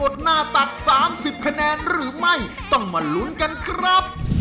จะให้น้องปิ๊งกี่คะแนนครับ